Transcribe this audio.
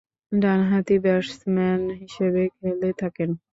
ডানহাতি ব্যাটসম্যান হিসেবে খেলে থাকেন।